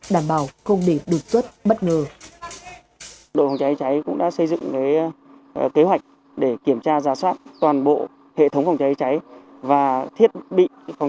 đảm bảo không để bị